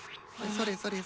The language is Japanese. それ。